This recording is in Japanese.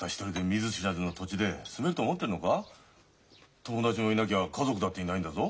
友達もいなきゃ家族だっていないんだぞ？